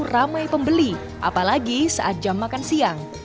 ramai pembeli apalagi saat jam makan siang